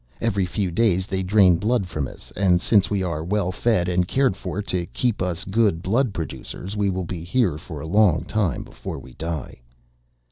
Every few days they drain blood from us, and since we are well fed and cared for to keep us good blood producers, we will be here for a long time before we die."